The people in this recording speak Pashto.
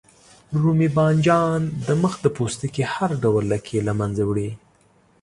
رومي بانجان د مخ د پوستکي هر ډول لکې له منځه وړي.